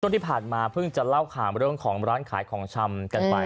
ที่ผ่านมาเพิ่งจะเล่าข่าวเรื่องของร้านขายของชำกันไป